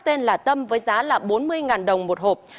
tên là tâm với giá là bốn mươi đồng một hộp